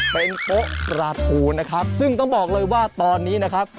เป็นโป๊ะปลาทูนะครับซึ่งต้องบอกเลยว่าตอนนี้นะครับ